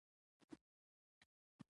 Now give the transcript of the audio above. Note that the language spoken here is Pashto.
ټیکنالوژي یوازې وسیله ده.